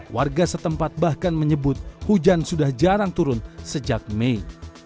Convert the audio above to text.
warga setempat bahkan menyebut hujan sudah jarang turun sejak mei